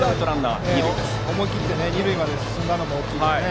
思い切って二塁まで進んだのも大きいですね。